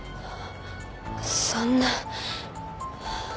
そんな。